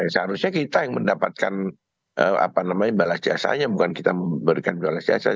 seharusnya kita yang mendapatkan balas jasanya bukan kita yang memberikan balas jasanya